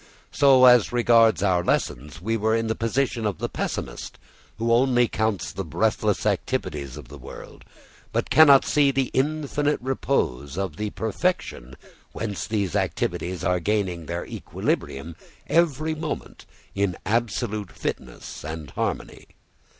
So, as regards our lessons, we were in the position of the pessimist who only counts the breathless activities of the world, but cannot see the infinite repose of the perfection whence these activities are gaining their equilibrium every moment in absolute fitness and harmony.